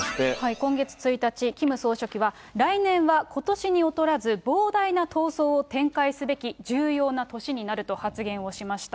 今月１日、キム総書記は、来年はことしに劣らず膨大な闘争を展開すべき重要な年になると発言をしました。